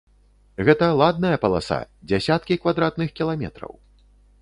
Гэта ладная паласа, дзясяткі квадратных кіламетраў.